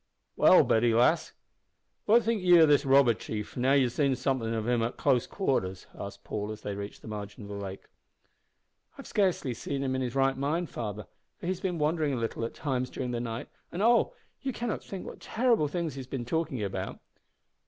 "Well, Betty, lass, what think ye of this robber chief, now you've seen somethin' of him at close quarters?" asked Paul, as they reached the margin of the lake. "I have scarcely seen him in his right mind, father, for he has been wandering a little at times during the night; and, oh! you cannot think what terrible things he has been talking about."